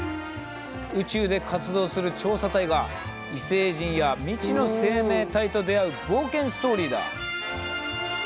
宇宙で活動する調査隊が異星人や未知の生命体と出会う冒険ストーリーだ。